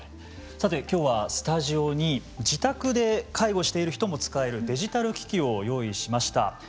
さて今日はスタジオに自宅で介護している人も使えるデジタル機器を用意しました。